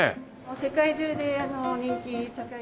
世界中で人気高い。